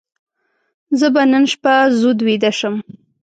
زه به نن شپه زود ویده شم.